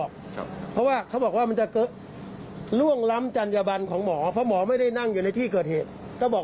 แล้วก็ไม่พบว่ามีการฟันหัดตามที่เป็นข่าวทางโซเชียลก็ไม่พบ